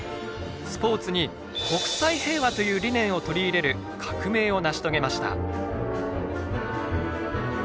スポーツに「国際平和」という理念を取り入れる革命を成し遂げました。